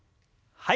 はい。